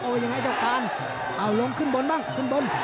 ว่ายังไงเจ้าการเอาลงขึ้นบนบ้างขึ้นบน